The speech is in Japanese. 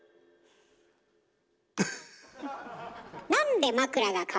フフフッ。